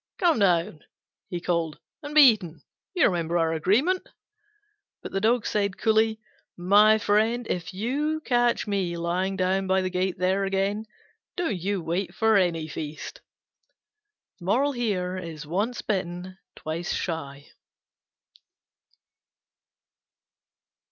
"Come down," he called, "and be eaten: you remember our agreement?" But the Dog said coolly, "My friend, if ever you catch me lying down by the gate there again, don't you wait for any feast." Once bitten, twice shy.